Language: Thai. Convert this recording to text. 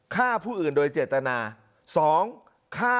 ฆ่าผู้อื่นโดยเจตนา